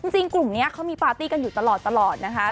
จริงกลุ่มนี้เขามีปาร์ตี้กันอยู่ตลอดนะคะ